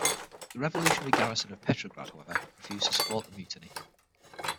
The revolutionary garrison of Petrograd, however, refused to support the mutiny.